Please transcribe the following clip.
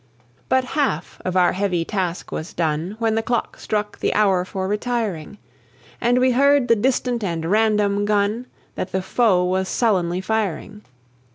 But half of our heavy task was done When the clock struck the hour for retiring; And we heard the distant and random gun That the foe was sullenly firing.